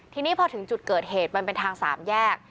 ทีนี้พอถึงจุดเกิดเหตุมันเป็นทางสามแยก